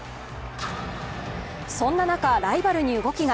そんな中、ライバルに動きが。